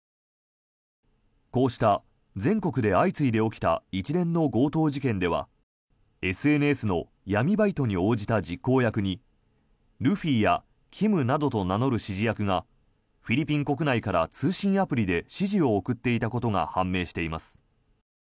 こうした全国で相次いで起きた一連の強盗事件ではＳＮＳの闇バイトに応じた実行役にルフィやキムなどと名乗る指示役がフィリピン国内から通信アプリで指示を送っていたことが判明しています。